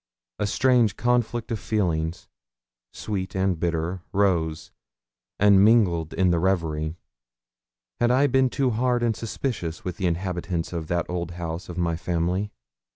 A strange conflict of feelings, sweet and bitter, rose and mingled in the reverie. Had I been too hard and suspicious with the inhabitants of that old house of my family?